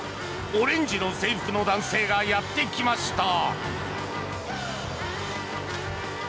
オレンジの制服の男性がやってきました。